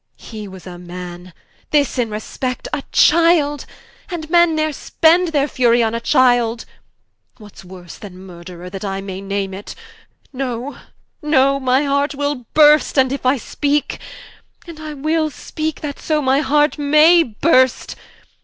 He was a Man; this (in respect) a Childe, And Men, ne're spend their fury on a Childe. What's worse then Murtherer, that I may name it? No, no, my heart will burst, and if I speake, And I will speake, that so my heart may burst.